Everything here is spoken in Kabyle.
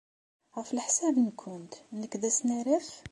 Ɣef leḥsab-nwent, nekk d asnaraf?